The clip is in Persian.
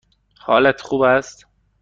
حالت خوب است؟